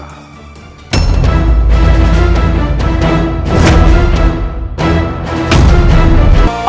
aku sudah mengetahui